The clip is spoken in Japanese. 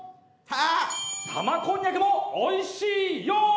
玉こんにゃくもおいしいよ！